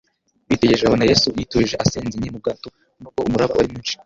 bitegereje babona Yesu yiturije asinzinye mu bwato, nubwo umuraba wari mwinshi.